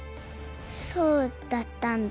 そうだったんだ。